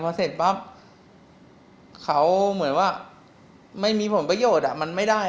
พอเสร็จปับเขาเหมือนว่าไม่มีผลประโยชน์